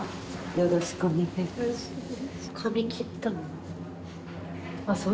よろしくお願いします。